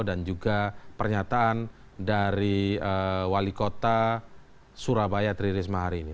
dan juga pernyataan dari wali kota surabaya tri risma hari ini